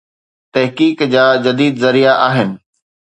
تحقيق جا جديد ذريعا آهن.